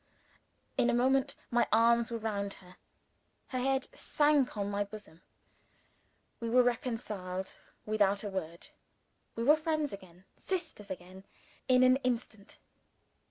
In a moment, my arms were round her. Her head sank on my bosom. We were reconciled without a word. We were friends again, sisters again, in an instant.